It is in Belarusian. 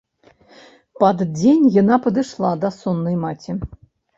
Пад дзень яна падышла да соннай маці.